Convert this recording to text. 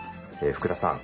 福田さん